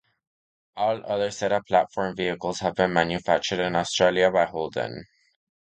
All other Zeta platform vehicles have been manufactured in Australia by Holden.